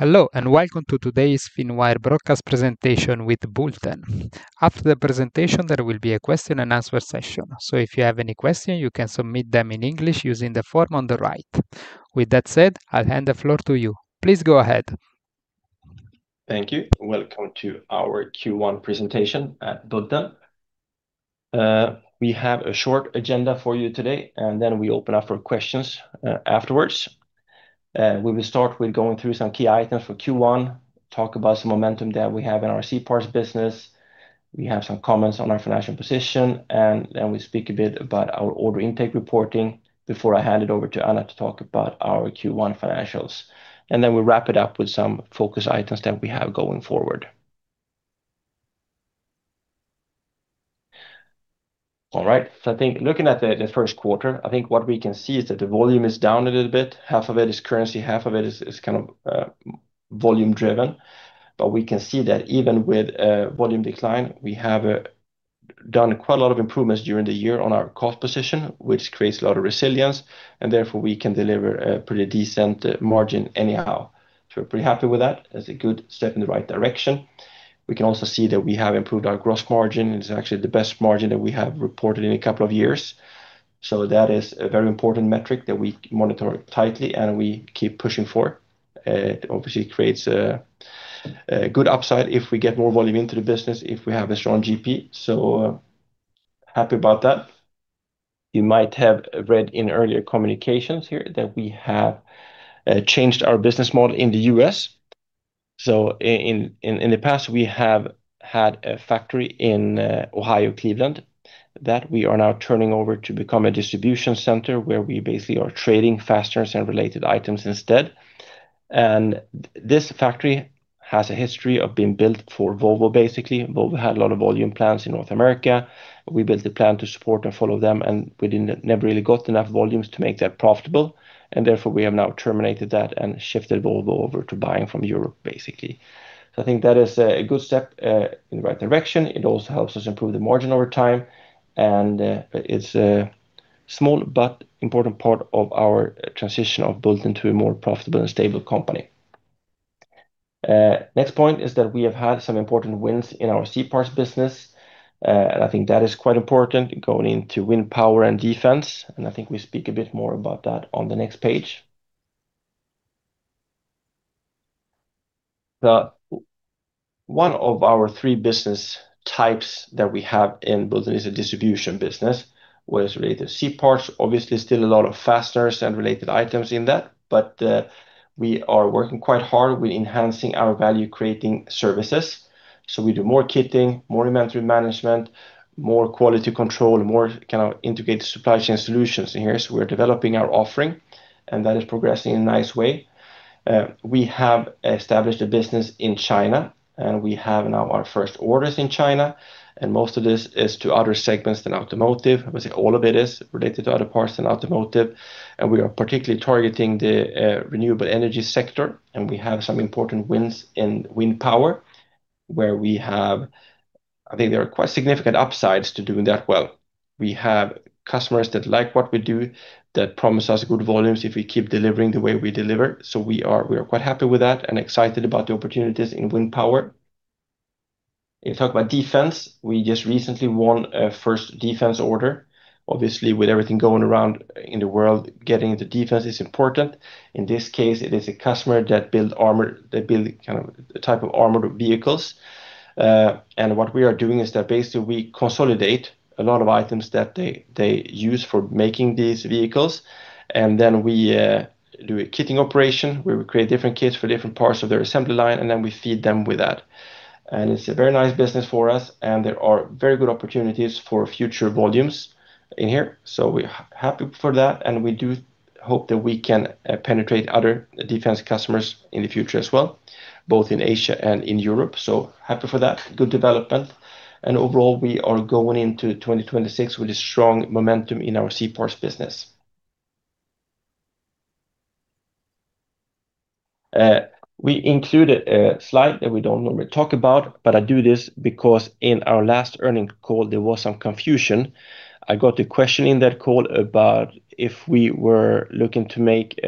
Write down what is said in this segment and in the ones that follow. Hello, and welcome to today's Finwire broadcast presentation with Bulten. After the presentation, there will be a question and answer session. If you have any questions, you can submit them in English using the form on the right. With that said, I'll hand the floor to you. Please go ahead. Thank you. Welcome to our Q1 presentation at Bulten. We have a short agenda for you today, and then we open up for questions afterwards. We will start with going through some key items for Q1, talk about some momentum that we have in our C-parts business. We have some comments on our financial position, and then we speak a bit about our order intake reporting before I hand it over to Anna to talk about our Q1 financials. Then we'll wrap it up with some focus items that we have going forward. All right. I think looking at the first quarter, I think what we can see is that the volume is down a little bit. Half of it is currency, half of it is volume driven. We can see that even with volume decline, we have done quite a lot of improvements during the year on our cost position, which creates a lot of resilience, and therefore we can deliver a pretty decent margin anyhow. We're pretty happy with that. That's a good step in the right direction. We can also see that we have improved our gross margin. It's actually the best margin that we have reported in a couple of years. That is a very important metric that we monitor tightly and we keep pushing for. It obviously creates a good upside if we get more volume into the business if we have a strong GP, so happy about that. You might have read in earlier communications here that we have changed our business model in the U.S. In the past, we have had a factory in Cleveland, Ohio, that we are now turning over to become a distribution center where we basically are trading fasteners and related items instead. This factory has a history of being built for Volvo, basically. Volvo had a lot of volume plants in North America. We built the plant to support and follow them, and we never really got enough volumes to make that profitable, and therefore we have now terminated that and shifted Volvo over to buying from Europe, basically. I think that is a good step in the right direction. It also helps us improve the margin over time, and it's a small but important part of our transition of Bulten to a more profitable and stable company. Next point is that we have had some important wins in our C-parts business. I think that is quite important going into wind power and defense, and I think we speak a bit more about that on the next page. One of our three business types that we have in Bulten is a distribution business, where it's related to C-parts, obviously still a lot of fasteners and related items in that, but we are working quite hard with enhancing our value creating services. We do more kitting, more inventory management, more quality control, more integrated supply chain solutions in here. We're developing our offering, and that is progressing in a nice way. We have established a business in China, and we have now our first orders in China, and most of this is to other segments than automotive. Obviously, all of it is related to other parts than automotive. We are particularly targeting the renewable energy sector, and we have some important wins in wind power. I think there are quite significant upsides to doing that well. We have customers that like what we do that promise us good volumes if we keep delivering the way we deliver. We are quite happy with that and excited about the opportunities in wind power. You talk about defense, we just recently won a first defense order. Obviously, with everything going around in the world, getting the defense is important. In this case, it is a customer that build a type of armored vehicles. What we are doing is that basically we consolidate a lot of items that they use for making these vehicles, and then we do a kitting operation where we create different kits for different parts of their assembly line, and then we feed them with that. It's a very nice business for us, and there are very good opportunities for future volumes in here. We're happy for that, and we do hope that we can penetrate other defense customers in the future as well, both in Asia and in Europe. Happy for that. Good development. Overall, we are going into 2026 with a strong momentum in our C-parts business. We included a slide that we don't normally talk about, but I do this because in our last earnings call, there was some confusion. I got a question in that call about if we were looking to make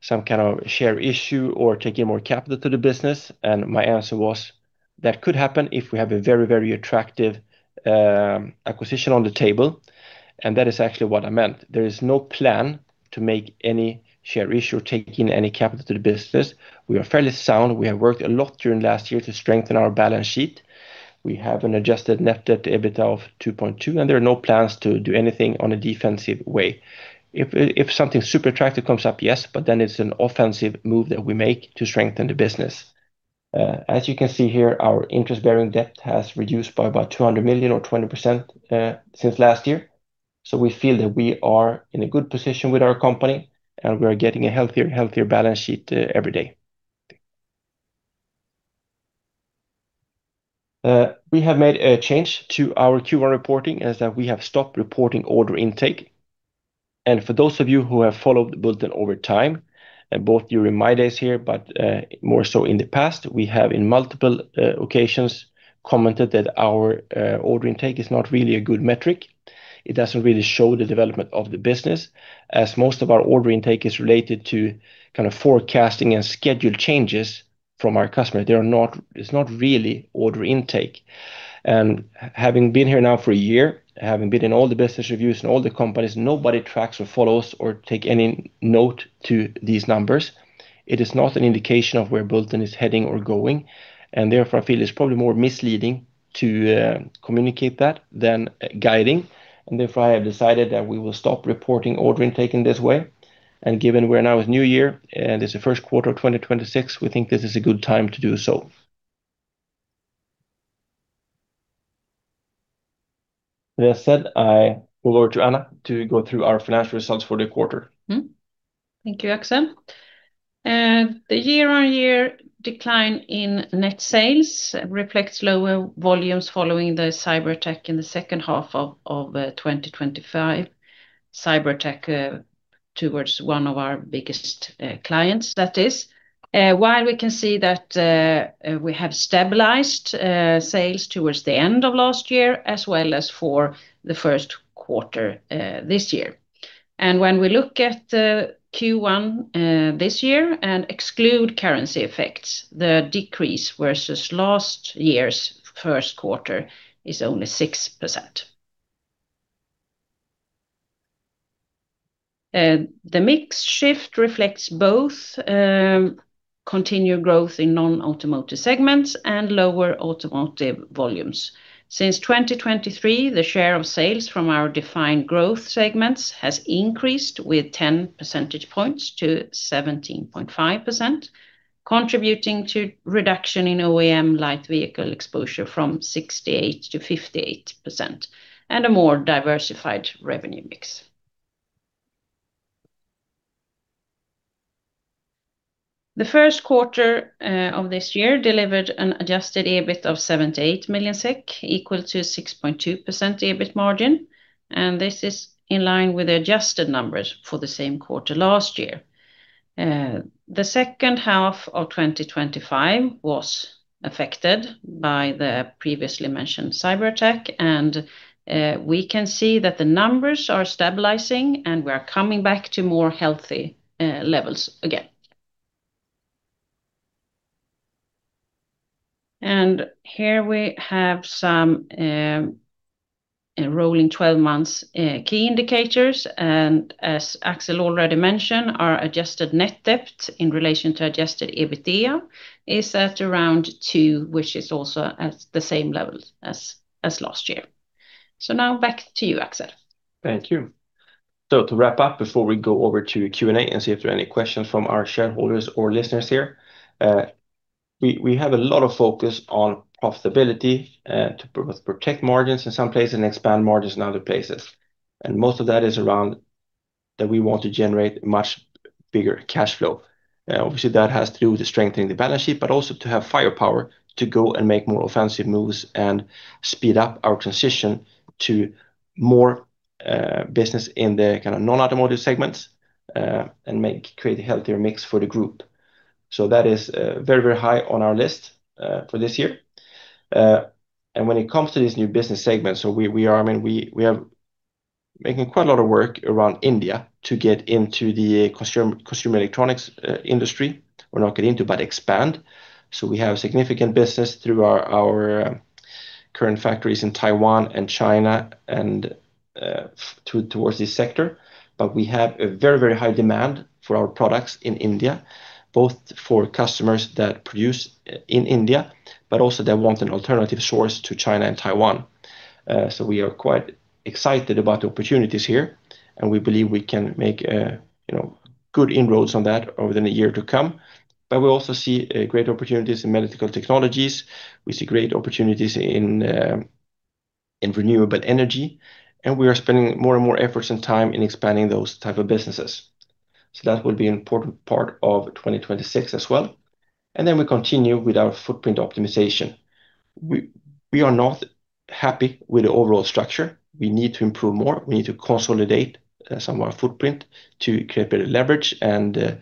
some kind of share issue or take in more capital to the business. My answer was, that could happen if we have a very attractive acquisition on the table. That is actually what I meant. There is no plan to make any share issue or take in any capital to the business. We are fairly sound. We have worked a lot during last year to strengthen our balance sheet. We have an adjusted net debt to EBITDA of 2.2, and there are no plans to do anything on a defensive way. If something super attractive comes up, yes, but then it's an offensive move that we make to strengthen the business. As you can see here, our interest-bearing debt has reduced by about 200 million or 20% since last year. We feel that we are in a good position with our company, and we are getting a healthier balance sheet every day. We have made a change to our Q1 reporting in that we have stopped reporting order intake. For those of you who have followed Bulten over time, both during my days here, but more so in the past, we have in multiple occasions commented that our order intake is not really a good metric. It doesn't really show the development of the business. As most of our order intake is related to forecasting and schedule changes from our customer, it's not really order intake. Having been here now for a year, having been in all the business reviews and all the companies, nobody tracks or follows or take any note to these numbers. It is not an indication of where Bulten is heading or going, and therefore I feel it's probably more misleading to communicate that than guiding. Therefore, I have decided that we will stop reporting order intake in this way. Given we're now in new year, and it's the first quarter of 2026, we think this is a good time to do so. With that said, I go over to Anna to go through our financial results for the quarter. Thank you, Axel. The year-on-year decline in net sales reflects lower volumes following the cyber attack in the second half of 2025. Cyber attack towards one of our biggest clients, that is. While we can see that we have stabilized sales towards the end of last year, as well as for the first quarter this year. When we look at the Q1 this year and exclude currency effects, the decrease versus last year's first quarter is only 6%. The mix shift reflects both continued growth in non-automotive segments and lower automotive volumes. Since 2023, the share of sales from our defined growth segments has increased with 10 percentage points to 17.5%, contributing to reduction in OEM light vehicle exposure from 68%-58%, and a more diversified revenue mix. The first quarter of this year delivered an adjusted EBIT of 78 million SEK, equal to 6.2% EBIT margin, and this is in line with the adjusted numbers for the same quarter last year. The second half of 2025 was affected by the previously mentioned cyber attack, and we can see that the numbers are stabilizing, and we are coming back to more healthy levels again. Here we have some rolling 12 months key indicators, and as Axel already mentioned, our adjusted net debt in relation to adjusted EBITDA is at around two, which is also at the same level as last year. Now back to you, Axel. Thank you. To wrap up, before we go over to Q&A and see if there are any questions from our shareholders or listeners here. We have a lot of focus on profitability to both protect margins in some places and expand margins in other places. Most of that is around that we want to generate much bigger cash flow. Obviously, that has to do with strengthening the balance sheet, but also to have firepower to go and make more offensive moves and speed up our transition to more business in the non-automotive segments, and create a healthier mix for the group. That is very high on our list for this year. When it comes to these new business segments, we are making quite a lot of work around India to get into the consumer electronics industry, or not get into, but expand. We have significant business through our current factories in Taiwan and China and towards this sector. We have a very high demand for our products in India, both for customers that produce in India, but also that want an alternative source to China and Taiwan. We are quite excited about the opportunities here, and we believe we can make good inroads on that over the year to come. We also see great opportunities in medical technologies. We see great opportunities in renewable energy, and we are spending more and more efforts and time in expanding those type of businesses. That will be an important part of 2026 as well. Then we continue with our footprint optimization. We are not happy with the overall structure. We need to improve more. We need to consolidate some of our footprint to create better leverage and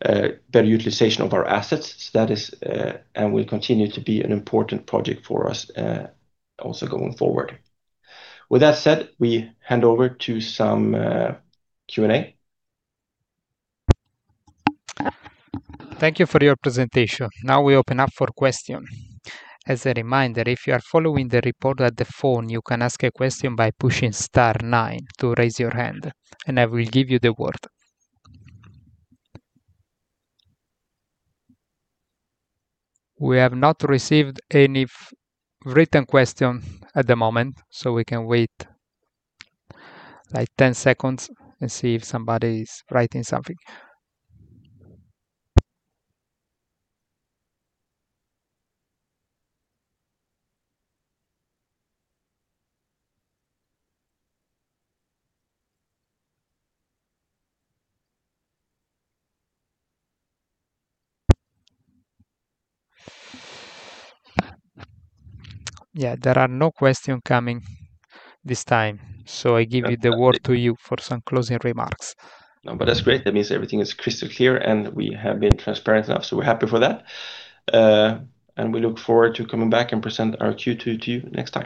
better utilization of our assets. It will continue to be an important project for us also going forward. With that said, we hand over to some Q&A. Thank you for your presentation. Now we open up for questions. As a reminder, if you are following on the phone, you can ask a question by pushing star nine to raise your hand, and I will give you the word. We have not received any written questions at the moment, so we can wait 10 seconds and see if somebody is writing something. Yeah, there are no questions coming this time. I give you the word to you for some closing remarks. No, that's great. That means everything is crystal clear, and we have been transparent enough. We're happy for that. We look forward to coming back and present our Q2 to you next time.